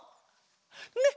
ねっ！